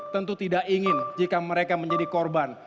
tentu tidak ingin jika mereka menjadi korban